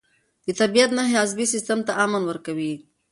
د طبیعت نښې عصبي سیستم ته امن ورکوي.